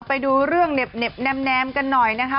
ไปดูเรื่องเหน็บแนมกันหน่อยนะคะ